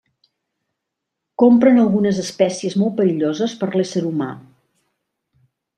Compren algunes espècies molt perilloses per l'ésser humà.